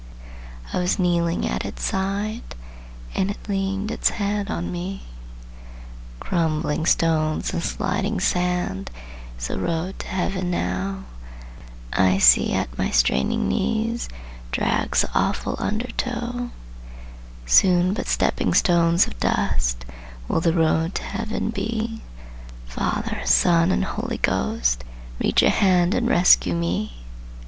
I was kneeling at its side, And it leaned its head on me! Crumbling stones and sliding sand Is the road to Heaven now; Icy at my straining knees Drags the awful under tow; Soon but stepping stones of dust Will the road to Heaven be, Father, Son and Holy Ghost, Reach a hand and rescue me!